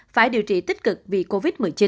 phải điều trị tích cực vì covid một mươi chín